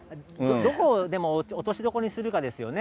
どこをでも落としどころにするかですよね。